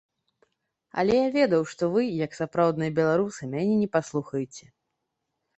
Але я ведаў, што вы, як сапраўдныя беларусы, мяне не паслухаеце.